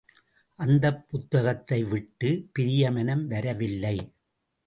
அந்தப் புத்தகத்தைவிட்டு பிரிய மனம் வரவில்லை.